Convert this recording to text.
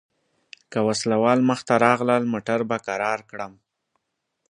که وسله وال مخته راغلل موټر به کرار کړم.